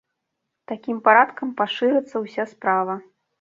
Такім парадкам пашырыцца ўся справа.